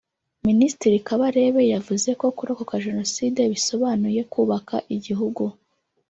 Minisitiri Kabarebe yavuze ko kurokoka Jenoside bisobanuye kubaka igihugu